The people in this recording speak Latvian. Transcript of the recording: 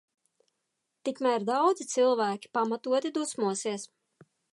Tikmēr daudzi cilvēki pamatoti dusmosies.